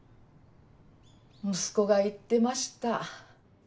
息子が言ってました。